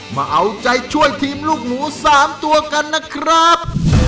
มาเอาใจช่วยทีมลูกหมู๓ตัวกันนะครับ